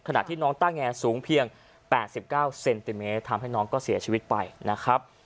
น้องต้าแงสูงเพียง๘๙เซนติเมตรทำให้น้องก็เสียชีวิตไปนะครับ